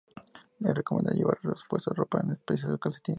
Es recomendable llevar repuesto de ropa, en especial calcetines.